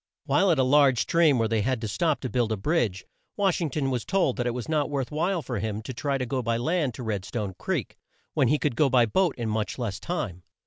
While at a large stream where they had to stop to build a bridge, Wash ing ton was told that it was not worth while for him to try to go by land to Red stone Creek, when he could go by boat in much less time.